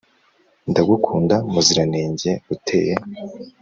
Ndagukunda muziranenge uteye